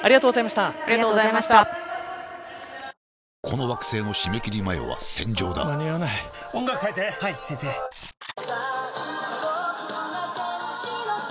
この惑星の締め切り前は戦場だ間に合わない音楽変えて！はいっ！